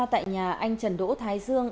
tại nhà anh trần đỗ thái dương